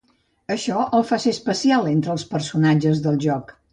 Això el fa ser especial entre els personatges del joc.